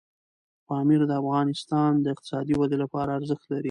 پامیر د افغانستان د اقتصادي ودې لپاره ارزښت لري.